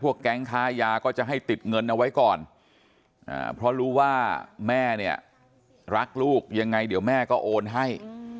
แก๊งค้ายาก็จะให้ติดเงินเอาไว้ก่อนเพราะรู้ว่าแม่เนี่ยรักลูกยังไงเดี๋ยวแม่ก็โอนให้